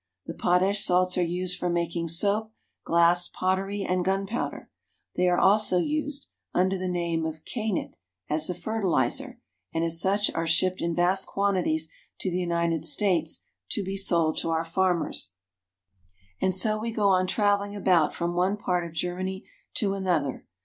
The potash salts are used for making soap, glass, pottery, and gunpowder. They are also used, under the name of kainit, as a fertilizer, and as such are shipped RURAL AND MANUFACTURING GERMANY. 233 in vast quantities to the United States to be sold to our farmers. And so we go on traveling about from one part of Germany to another.